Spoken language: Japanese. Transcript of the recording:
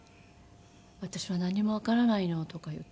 「私は何もわからないの」とか言って。